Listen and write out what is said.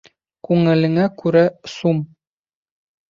Күңелеңә күрә сум.